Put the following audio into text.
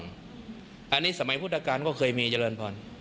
อันนี้สมัยพุทธกาลก็เคยมีเจริญพร